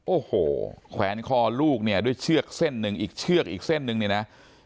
โอ้โหแขวนคอลูกเนี่ยด้วยเชือกเส้นหนึ่งอีกเชือกอีกเส้นหนึ่งเนี่ยนะ